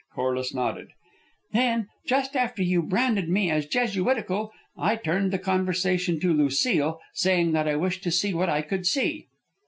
Corliss nodded. "Then, just after you branded me as Jesuitical, I turned the conversation to Lucile, saying that I wished to see what I could see."